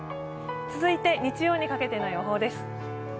続いて日曜にかけての予報です。